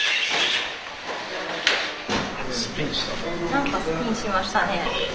何かスピンしましたね。